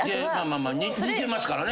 似てますからね。